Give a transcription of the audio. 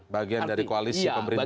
bagian dari koalisi pemerintahan